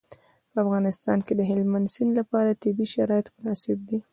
په افغانستان کې د هلمند سیند لپاره طبیعي شرایط مناسب دي.